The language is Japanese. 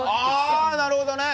ああなるほどね！